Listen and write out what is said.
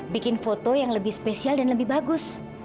bikin foto yang lebih spesial dan lebih bagus